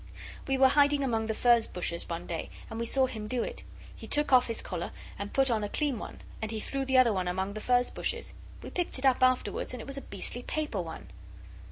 'We were hiding among the furze bushes one day, and we saw him do it. He took off his collar, and he put on a clean one, and he threw the other among the furze bushes. We picked it up afterwards, and it was a beastly paper one!